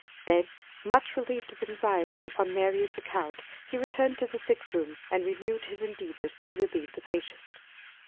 Then, much relieved of anxiety upon Marian's account, he returned to the sick room and renewed his endeavors to relieve the patient.